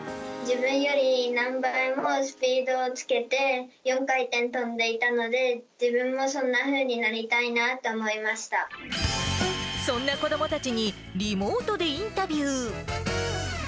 自分より何倍もスピードをつけて、４回転跳んでいたので、自分もそんなふうになりたいなとそんな子どもたちに、リモートでインタビュー。